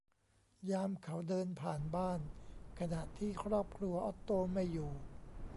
ยามเขาเดินผ่านบ้านขณะที่ครอบครัวออตโตไม่อยู่